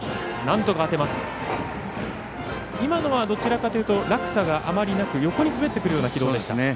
どちらかというと落差があまりなく横に滑ってくるような軌道でした。